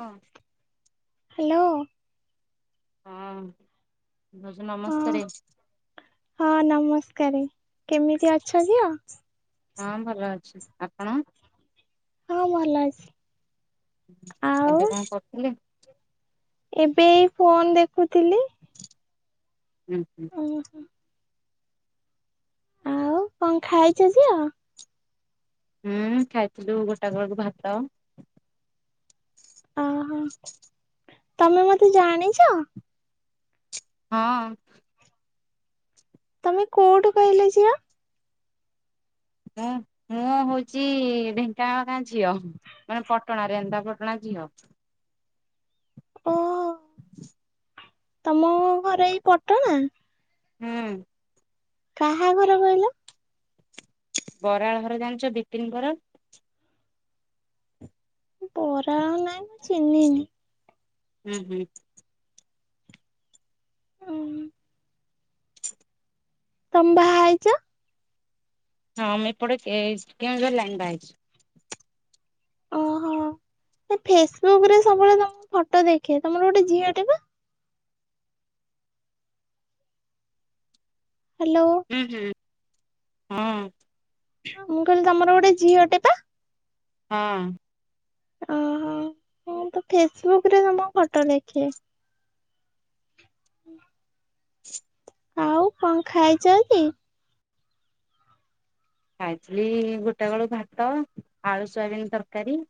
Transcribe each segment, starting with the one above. ହଁ ହ୍ୟାଲୋ। ହଁ ଭାଉଜ ହଁ ନମସ୍କାରେ। ହଁ ନମସ୍କାରେ କେମିତି ଅଛ ଝିଅ? ହଁ ଭଲ ଅଛି ଆପଣ? ହଁ ଭଲ ଅଛି। ଆଉ ଏବେ କଣ କରୁଥିଲେ? ଏବେ ଏ ଫୋନ ଦେଖୁଥିଲି। ହୁଁ ହୁଁ। ହୁଁ ହଁ। ଆଉ କଣ ଖାଇଚ ଝିଅ? ହୁଁ ଖାଇଥିଲୁ ଗୋଟାକ ବେଳକୁ ଭାତ। ଓହୋ ତମେ ମତେ ଜାଣିଛ? ହଁ। ତମେ କୋଉଠୁ କହିଲ ଝଅ? ହଁ ମୁଁ ହଉଛି ଢେଙ୍କାନାଳ ଗାଁ ଝିଅ। ମାନେ ପଟଣା ରେଣନ୍ଦାପଟଣା ଝିଅ। ଓହୋ ତମ ଘର ଏଇ ପଟଣା? ହୁଁ। କାହାଘର କହିଲ? ବରାଳ ଘର ଜାଣିଛ ବିପିନ ବରାଳ? ବରାଳ ନାଇଁ ମୁଁ ଚିହ୍ନିନି। ହୁଁ ହୁଁ। ହୁଁ। ତମେ ବାହା ହେଇଚ? ହଁ ମୁଁ ଏପଟେ କେ କେଉଁଝର ଲାଇନ୍ ବାହାହେଇଚି। ଓହୋ ଫେସବୁକରେ ସବୁବେଳେ ତମ ଫଟୋ ଦେଖେ ତମର ଗୋଟେ ଝିଅଟେ ପା? ହ୍ୟାଲୋ। ଉହୁଁ ହଁ। ମୁଁ କହିଲି ତମର ଗୋଟେ ଝିଅଟେ ବା? ହଁ। ଓହୋ ହଁ ତ ଫେସବୁକରେ ତମ ଫଟୋ ଦେଖେ। ଆଉ କଣ ଖାଇଚ କି? ଖାଇଚିଲି ଗୋଟେବେଳୁ ଭାତ ଆଳୁ ସୋୟାବିନ୍ ତରକାରୀ।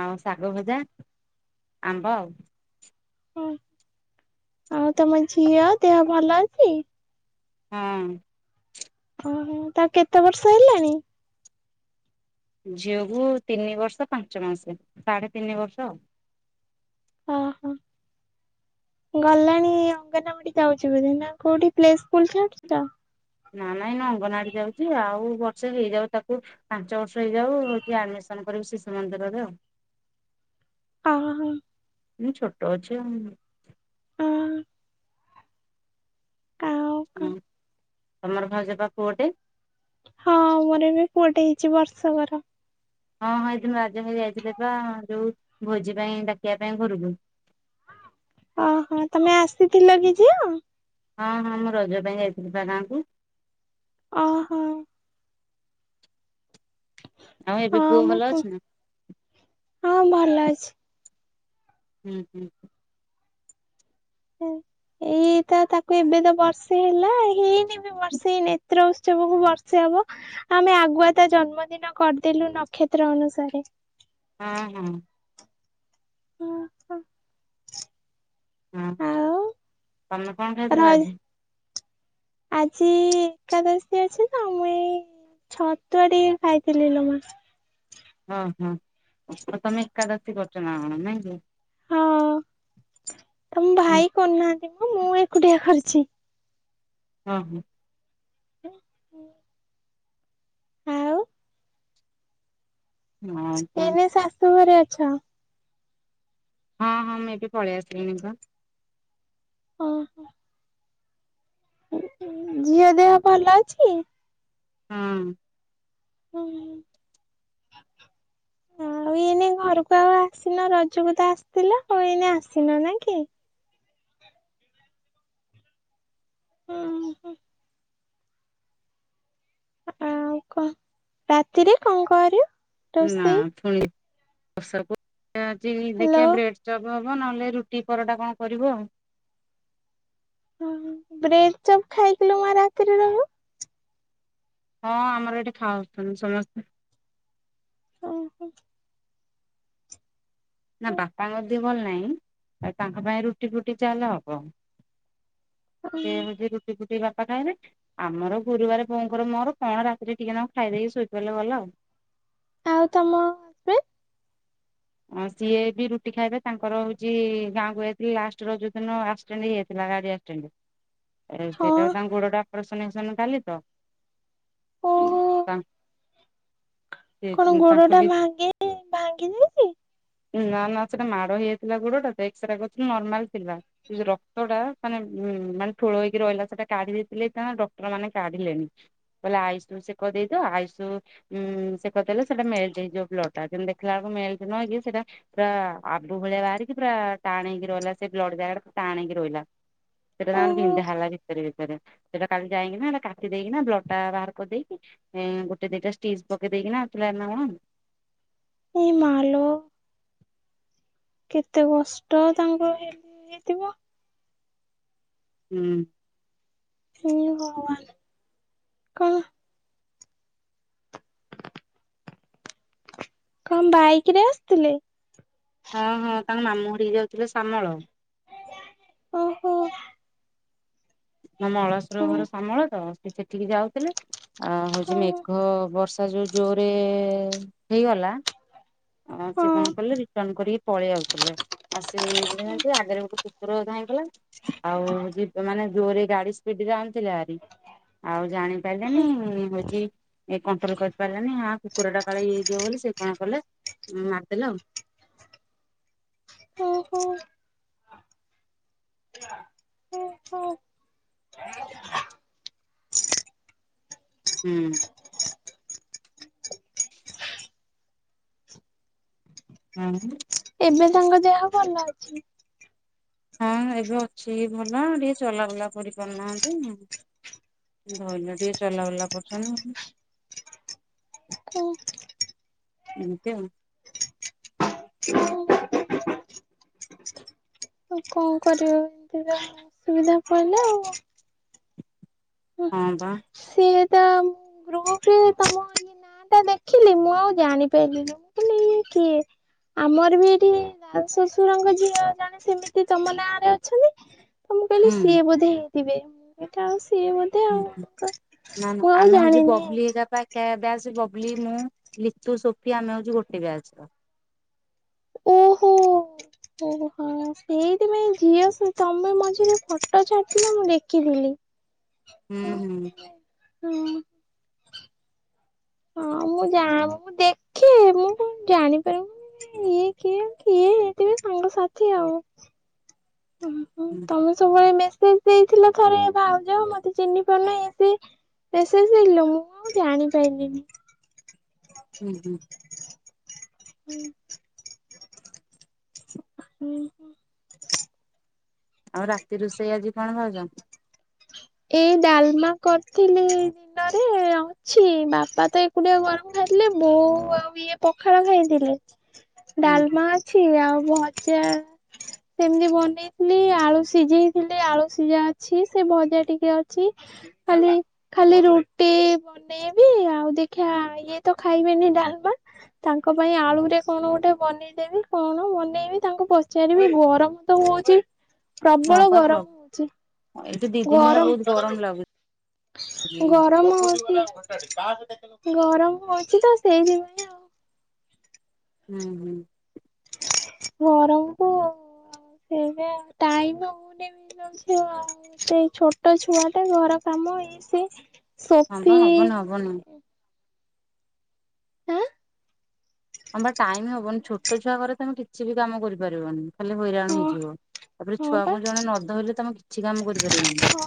ଆଉ ଶାଗ ଭଜା ଆମ୍ବ ଆଉ। ହଁ ଆଉ ତମ ଝିଅ ଦେହ ଭଲ ଅଛି? ହଁ। ଓହୋ ତାକୁ କେତେ ବର୍ଷ ହେଲାଣି? ଝିଅକୁୁ ତିନି ବର୍ଷ ପାଞ୍ଚ ମାସ ସାଢେ ତିନି ବର୍ଷ। ଅହଃ। ଗଲାଣି ଅଙ୍ଗନାବାଡି ଯାଉଛି ବୋଧେ ନା କୋଉଠି ପ୍ଲେ ସ୍କୁଲ ଛାଡୁଚ? ନା ନାଇଁ ଏନା ଅଙ୍ଗନଡି ଯାଉଛି ଆଉ ବର୍ଷେ ହେଇଯାଉ ତାକୁ ପାଞ୍ଚ ବର୍ଷ ହେଇଯାଉ ହଉଠି ଆଡମିସନ କରିବୁ ଶିଶୁ ମନ୍ଦିରରେ ଆଉ। ଅହଃ। ମୁଁ ଛୋଟ ଅଛି ଆଉ ଅହଃ। ଆଉ କଣ? ହୁଁ ତମର ଭାଉଜବା ପୁଅଟେ? ହଁ ମୋର ଏବେ ପୁଅଟେ ହେଇଛି ବର୍ଷକର। ହଁ ହଁ ଏଇଦିନ ରାଜା ଭାଇ ଯାଇଥିଲେ ପା ଯୋଉ ଭୋଜି ପାଇଁ ଡାକିବା ପାଇଁ ଘରୁକୁୁ। ଓହୋ ତମେ ଆସିଥିଲ କି ଯିଅ? ହଁ ହଁ ମୁଁ ରଜ ପାଇଁ ଯାଇଥିଲି ବା ଗାଁକୁ। ଓହୋ। ଆଉ ଏବେ ପୁଅ ହଁ ମୁଁ ଭଲ ପୁ- ଅଛି ନା? ହଁ ଭଲ ଅଛି। ହୁଁ ହୁଁଁ। ହୁଁ। ଏଇ ତ ତାକୁ ଏବେ ତ ବର୍ଷେ ହେଲା ହେଇନି ବି ବର୍ଷେ ନେତ୍ର ଉତ୍ସବକୁ ବର୍ଷେ ହବ। ଆମେ ଆଗୁଆ ତା ଜନ୍ମଦିନ କରିଦେଲୁ ନକ୍ଷତ୍ର ଅନୁସାରେ। ହଁ ହଁ। ହଁ। ହଁ ଆଉ ତମେ କଣ ର ଖାଇଥିଲା ଆଜି? ଆଜି ଏକାଦଶ ଦ ଅଛି ତ ମୁଇ ଏଇ ଛତୁଆ ଟିକେ ଖାଇଥିଲି ନ ମାସ। ଓହୋ ପ୍ରଥମେ ଏକାଦଶୀ କରଛ ନା ଆଣ ନାଇଁ କି? ହଁ ତମ ହୁଁ ଭାଇ କରୁନାହାନ୍ତି ମୁଁ ମୁଁ ଏକୁଟିଆ କରିଛି। ହଁ ହଁ। ହ ହ। ହଁ ଏନେ ଶାଶୁ ଘରେ ଅଛ? ହଁ ହଁ ମୁଁ ଏଠି ପଳେଇ ଆସିଲିିନିକା। ଓହୋ। ଝିଅ ଦେହ ଭଲ ଅଛି? ହଁ। ହୁଁ ହୁଁ। ଆଉ ଏଇନେ ଘରକୁ ଆଉ ଆସିନ ରଜକୁ ତ ଆସିଥିଲ ଆଉ ଏଇନେ ଆସିନ ନା କି? ହୁଁ ହଁ। ଆଉ କଣ ରାତିରେ କଣ କରିବ? ରୋଷେଇ ନାୁଣି ଚ ହ୍ୟାଲୋ ଦେଖିବା ବ୍ରେଡ ଚପ। ଯିବ ନହେଲେ ରୁଟି ପରଟା କଣ କରିବ ଆଉ। ଓ ବ୍ରେ ସବ ଖାଇକଥିଲୁ ମା ରାତିରେ ରହ। ହଁ ଆମର ଏଠି ଖାଉଛନ୍ତି ସମସ୍ତେ। ଓହୋ। ନା ବାପାଙ୍କ ଦି ଭଲ ନାହିଁ ତାଙ୍କ ପାଇଁ ରୁଟି ଫୁଟି ଚାଲ ହବ। ସେ ମୁି ରୁଟି ପୁଟି ବାପା କାଇ ନାହି ଆମର ଗୁରୁବାର ଫୋଣ କର ମୋର କ ସେ ଣ ରାତିରେ ଟିକିେ ତାମଙ୍କୁ ଖାଇଦେଇକି ଶୋଇପାରିଲେ ଗଲ ଆଉ ଆଉ ତମ ହଜବେଣ୍ଡ ସିଏ ବି ରୁଟି ଖାଇବେ ତାଙ୍କର ହଉଛି ଗାଁକୁ ଯାଇଥିଲଥିଲେ ଲଷ୍ଟ ର ଯୋଉ ଦିନ ଆଷ୍ଟାଣ୍ଡ ହେଇଯାଇଥିଲା ଗାଡି ଆଷ୍ଟାଣ୍ଡରେ ହ ଆ ସେଇଟା ତାଙ୍କ ଗୋଡଟା ଅପରେସନ୍ ଫସନ କଲି ତ ଓହୋ ତା କଣ ଗୋଡ ଟା ଭାଙ୍ଗି ଭାଙ୍ଗି ଦେଇଛି? ନା ନା ସେଟା ମାଡ ହେଇଯାଇଥିଲା ଗୋଡଟା ତ ଏକ୍ସରେ କରୁଥିଲୁ ନର୍ମାଲ ଥିଲା। ସେଉ ରକ୍ତ ଟା ମାନେ ଉ ମାନେ ଠୋଳ ହେଇକି ରହିଲା ସେଟା କାଢି ଦେଇଥିଲେ ଡକ୍ଟର ମାନେ କାଢିଲେଣି। ବୋଇଲେ ଆଇସୁ ସେ କହିଦେଇଦ ଆଇଷୁ ଉୁଁ ସେ କ କହିଲେ ସେଟା ମେଳିଛି ଯୋଉ ଲଟା ଯେମତି ଦେଖିଲା ବଳକୁ ମେଳିଛି ନ କି ସେଇଟା ପୁରା ଆବୁ ଭଳିଆ ବାହାରିକି ପୁରା ଟାଣ ହେଇକି ରହିଲା ସେ ବ୍ଲ ଜାଗା ପା ଟାଣଇକି ରହିଲା। ସେରେ ତା ଓହୋ ଭିଧେ ହେଲା ଭିତରେ ଭିତରେ ସେଇଟା କାଲି ଯାଇକିନା କାଟି ଦେଇକିନା ବ୍ଲଡ ଟା ବାହାର କରିଦେଇକି ଏ ଗୋଟେ ଦିଟା ଷ୍ଟିଜ ପକେଇ ଦେଇକିନା ଆଉଥିଲା ନା ଏଇ ମାଲ କେତେ କଷ୍ଟ ତାଙ୍କର ହେ ହେଇଥିବ। ହୁଁ। ହ ଭଗବାନ କଣ? କଣ ବାଇକ ରେ ଆସିଥିଲେ? ହଁ ହଁ ତାଙ୍କ ମାମୁଁ ଘଡିକି ଯାଉଥିଲେ ଶାମଳ। ଓହୋ। ଆ ମଳସର ହୁଁ ଘର ସାମଳ ତ ସେ ସେଠିକି ଯାଉଥିଲେ ଆ ହଉଛି ମେଘ ବର୍ଷ ତା ଯୋଉ ଜୋରେ ହେଇଗଲା ଆଉ ସେ କଣ କିଲ ରିଟର୍ଣ କରିକି ପଳେଇ ଆଉଥିଲେ। ଆସ ଆଗରେ ଗୋଟେ କୁକୁର ଯାଇଁଗଲା ଆଉ ଯ ମାନେ ଜୋରରେ ଗାଡି ସ୍ପିଡି ରେ ଆଣିଥିଲା ଗାଡ଼ି ଆଉ ଜାଣି ପାରିଲାନି ହଉଛି ଏ କଣ୍ଟ୍ରୋଲ କରି ପାରିଲାନି ହା କୁକୁର ଟା କାଳେ ହେଇଯିବ ବୋଲି ସେ କଣ କଲେ ମାରିଦେଲେ ଆଉ। ଓହୋ। ହୁଁ। ହୁଁ। ଏବେ ତାଙ୍କ ଦେହ ଭଲ ଅଛି। ହଁ ଏବେ ଅଛି ଭଲ ଟିକେ ଚଲାବୁଲା କରି ପାରୁନାହାନ୍ତି। ଧରିଲ ଟିକେ ଚଲାବୁଲା କରୁଛନ୍ତି। ଆଉ ଏଛ ହଁ ଆଉ କଣ କରିବ ଏମିତି ଅସୁବିଧା ପଡ଼ିଲ ଆଉ। ହଁ ବା। ସିଏଟ ଗୃହରେ ତାମ ସେଟା ଦେଖିଲି ମୁଁ ଆଉ ଜାଣିପାରିଲିନି ମୁଁ କହିଲି ଇଏ କିଏ। ଆମର ବି ଏଠି ଶଶୁରଙ୍କ ଝିଅ ଜାଣେ ସେମିତି ତମ ନାଁରେ ଅଛନ୍ତି। ତ ମୁଁ କହିଲି ହୁଁ ସିଏ ବୋଧେ ହେଇଥିବେ ମୁଁ ଏଇଟା ଆଉ। ସିଏ ବୋଧେ ହୁଁ ଆଉ। ହୁଁ ନା ନା ମୁଁ ଆଉ ଆମେ ହଉଛୁ ଜାଣିନି। ବବୁଲି ହେଯା ପାଇଁ ବ୍ୟାଜ ବବଲି ମୁଁ ଲିଚୁ ସୋଫି ଆମେ ହଉଛି ଗୋଟେ ବ୍ୟାଜ ର ଓହୋ ଓ ହଁ ସେଇ ତ ମ ଝିଅ ତମେ ମଝିରେ ଫଟୋ ଛାଟିଲ ମୁଁ ଦେଖିଥିଲି। ହୁଁ ହୁଁ। ହଁ। ହଁ ମୁଁ ଯା ମୁଁ ଦେଖେ ମୁଁ କଣ ଜାଣିପାରିବି। ଇଏ କିଏ! କିଏ ହେଇଥିବେ ସାଙ୍ଗ ସାଥି ଆଉ। ଓହୋଃ, ହୁଁ। ତମେ ସବୁବେଳେ ମେସେଜ ଦେଇଥିଲ ଥରେ ଭାଉଜ ମତେ ଚିହ୍ନି ପାରୁନ ଇଏ ସିଏ। ମେସେଜ ଦେଖିଲି ମୁଁ ଜାଣିପାରିଲିନି। ହୁଁ ହୁଁ। ହୁଁ। ହୁଁ। ଆଉ ରାତି ରୋଷେଇ ଆଜି କଣ ଭାଉଜ। ଏଇ ଡାଲମା କରିଥିଲି। ଦିନରେ ଅଛି ବାପା ତ ଏକୁଟିଆ ଗରମ ଖାଇଥିଲେ ବୋଉ ଆଉ ଇଏ ପଖାଳ ଖାଇଥିଲେ। ହଁ ହଁ। ଡାଲମା ଅଛି ଆଉ ଭଜା ସେମିତି ବନେଇଥିଲି ଆଳୁ ସିଝେଇଥିଲି ଆଳୁ ସିଝା ଅଛି। ସେ ଭଜା ଟିକେ ଅଛି, ଖାଲି ଖାଲି ରୁଟି ବନେଇବି ଆଉ ଦେଖିବା ଇଏ ତ ଖାଇବେନି ଡାଲମା। ତାଙ୍କ ପାଇଁ ଆଳୁ ରେ କଣ ଗୋଟେ ବନି ଇଦେବି କଣ ମନେଇବି ତାଙ୍କୁ ପଚାରିବି ଗରମ ତ ହଉଛି। ହଁ ପ୍ରବଳ ପା ପ୍ରଭୁ ଗରମ ଏଇଠି ଦି ହଉଛି। ଦିନ ହେଲା ବହୁତ ଗରମ ଲାଗୁଛି। ଗରମ ହଉଛି, ଗରମ ହଉଛି ତ ସେଇଦିନ ହୁଁ, ହୁଁ,। ଗରମକୁୁ ଆଉ ସେବେ ଆଉ ଟାଇମ ହଉନି ବି। ସେ [unintelligible] ସେଇ ଛୋଟ ଛୁଆଟା ଘର କାମ ଇଏ ସିଏ। ହଁ ସୋଫି ବା ହବନ ହବନି। ଆଁ ହମ ବା ଟାଇମ ହବନି ଛୋଟ ଛୁଆ ଘରେ ତମେ କିଛି ବି କାମ କରିପାରିବନି। ଖାଲି ହଁ ହଇରାଣ ହେଇଯିବ, ତାପରେ ହଁ ପା ଛୁଆଙ୍କୁ ଜଣେ ନଧରିଲେ ତମେ କିଛି କାମ କରିପାରିବନି। ହଁ।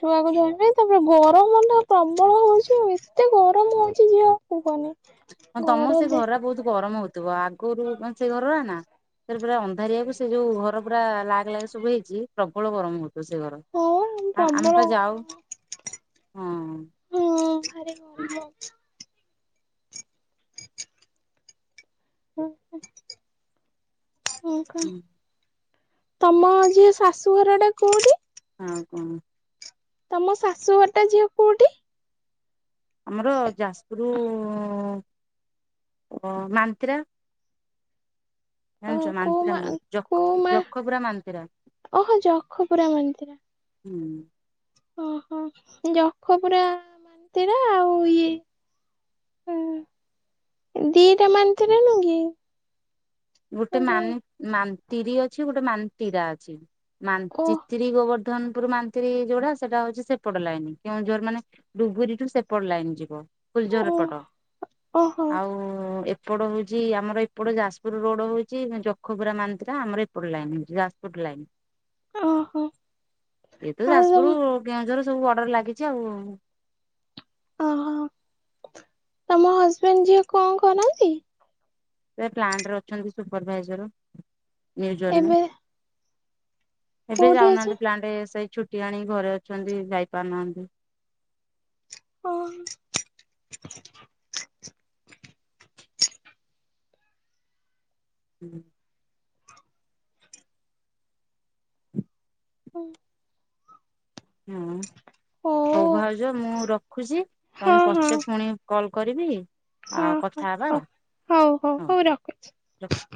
ଛୁଆକୁ ଧରିବି ତାପରେ ଗରମଟା ପ୍ରବଳ ହଉଛି ଆ ଏତେ ଗରମ ହଉଛି ଝିଅ କୁହନି। ହଁ ତମର ଘର ସେ ଦେ ଘରଗୁରା ବହୁତ ଗରମ ହଉଥିବଆଗରୁ ସେ ଘରଗୁରା ନା ସେ ପୁରା ଅନ୍ଧାରିଆକୁ ସେ ଯୋଉ ଘର ପୁରା ଲାଗ୍ ଲାଗ୍ ସବୁ ହେଇଛି ପ୍ରବଳ ଗରମ ହଉଥିବ ସେ ଘର। ହଁ, ଆ ଆମେ ପ୍ରବଳ ପା ଯାଉ ଗରମ। ହଁ ହଁ ଖାଲି ଘର୍ମ। ହଁ ହୁଁ। ହୁଁ। ତମ ଝିଅ ଶାଶୁଘରଟା କୋଉଠି? ହଁ, କଣ? ତମ ଶାଶୁ ଘରଟା ଝିଅ କୋଉଠି? ଆମର ଯାଜପୁର ମାନ୍ତ୍ରା। ଅ ଜାଣିଛ କୋଉ ମା ମାନ୍ତ୍ରା କୋଉ ମା ଯଖପୁରା ମାନ୍ତ୍ରା। ଓହୋ ଜଖପୁରା ମନ୍ଦିର ହୁଁ। ଓହୋ ଯଖପୁରା ମାନ୍ତ୍ରା ଆଉ ଇଏ? ହୁଁ, ଦିଟା ମାନ୍ତ୍ରା ନୁହେଁ କି? ଗୋଟେ ମାନ ମାନ୍ତିରି ଅଛି ଗୋଟେ ମାନ୍ତିରା ଅଛି ଓ ମାନଚିତ୍ ଶ୍ରୀ ଗୋବର୍ଦ୍ଧନପୁର ମାନ୍ତିରୀ ଯୋଉଟା ସେଟା ହଉଛି ସେପଟ ଲାଇନ କେଉଁଝର ମାନେ ଡୁଗରିୀ ଠୁ ସେପଟ ଲାଇନ୍ ଯିବ। କୁଲଝର ଓ ଏପଟ ଓହୋ ଆଉ ଏପଟ ହଉଛି ଆମର ଏପଟ ଯାଜପୁର ପୁର୍ ରୋଡ ହଉଛି ଯଖପୁରା ମାନ୍ତ୍ରା ଆମର ଏପଟ ଲାଇନ ହେଉଛି ଯାଜପୁର ଲାଇନ୍। ଓହୋ ଏଇ ତ ଆଉ ତମ ଯାଜପୁର କେଉଁଝର ସବୁ ବର୍ଡର ଲାଗିଛି ଆଉ ଓହୋ, ତମ ହଜବେଣ୍ଡ ଝିଅ କଣ କରନ୍ତି? ସେ ପ୍ଲାଣ୍ଟରେ ଅଛନ୍ତି ସୁପରଭାଇଜର ନ୍ୟୁଜନ୍ ରେ ଏବେ ଏବେ କୋଉଠି ଅଛ? ଯାଉନାହାନ୍ତି ପ୍ଲାଣ୍ଟ ସେଇ ଛୁଟି ଆଣି ଘରେ ଅଛନ୍ତି ଯାଇ ପାରୁନାହାନ୍ତି। ଓହୋ। ହୁଁ। ହୁଁ। ହଁ। ହଉ ଭାଉଜ ମୁଁ ରଖୁଛି ହଉ ତମକୁ ହଁ ପଛେ ପୁଣି କଲ କରିବି। ହଁ ଆଉ ହଁ କଥା ହେବା ହଁ ଆଉ ହଉ ହଉ ରଖୁଚି।